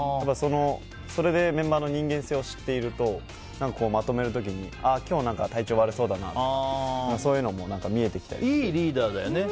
それでメンバーの人間性を知っているとまとめる時に今日、体調悪そうだなとかいいリーダーだね。